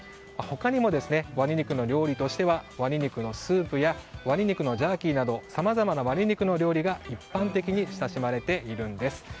他にもワニ肉の料理としてはワニ肉のスープやワニ肉のジャーキーなどさまざまなワニ肉の料理が一般的に親しまれているんです。